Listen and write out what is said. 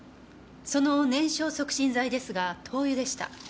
その燃焼促進剤ですが灯油でした。